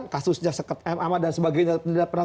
kasusnya seket m a dan sebagainya tidak pernah